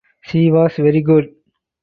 She was very good.